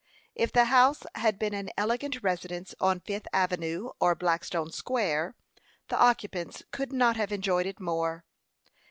If the house had been an elegant residence on Fifth Avenue or Blackstone Square, the occupants could not have enjoyed it more.